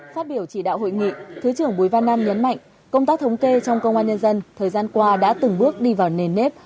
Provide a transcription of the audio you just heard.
phát biểu chỉ đạo hội nghị thứ trưởng bùi văn nam nhấn mạnh công tác thống kê trong công an nhân dân thời gian qua đã từng bước đi vào nền nếp